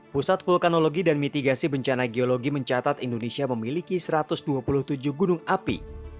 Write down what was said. pusat vulkanologi dan mitigasi bencana geologi mencatat indonesia memiliki satu ratus dua puluh tujuh gunung api